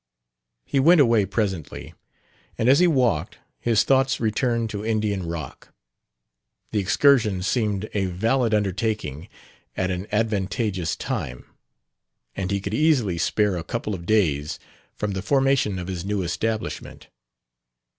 He went away presently, and as he walked his thoughts returned to Indian Rock. The excursion seemed a valid undertaking at an advantageous time; and he could easily spare a couple of days from the formation of his new establishment.